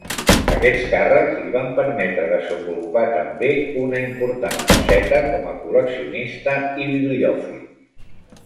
Aquests càrrecs li van permetre desenvolupar també una important faceta com a col·leccionista i bibliòfil.